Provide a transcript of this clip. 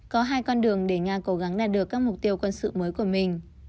có hai con đường để nga cố gắng đạt được các mục tiêu quân sự mới của mình